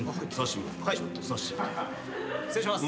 失礼します。